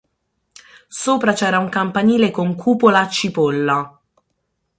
Sopra c'era un campanile con cupola a cipolla.